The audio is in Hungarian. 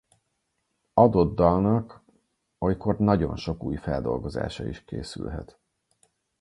Adott dalnak olykor nagyon sok új feldolgozása is készülhet.